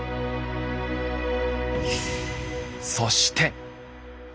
そして。